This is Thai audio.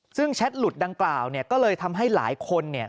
ซึ่งแชทหลุดดังกล่าวเนี่ยก็เลยทำให้หลายคนเนี่ย